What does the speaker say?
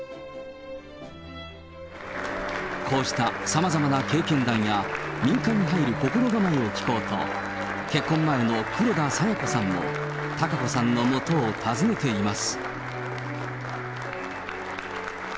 こうした様々な経験談や、民間に入る心構えを聞こうと、結婚前の黒田清子さんも、貴子さんのもとを訪ねています。